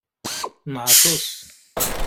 Neɛḍes.